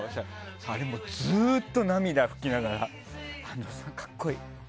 あれもずっと涙拭きながら安藤さん格好いい。